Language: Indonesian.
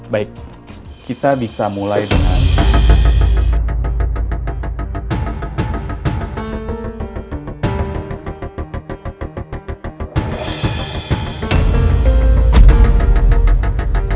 baik kita bisa mulai dengan